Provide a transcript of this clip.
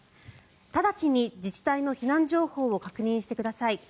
直ちに自治体の避難情報を確認してください。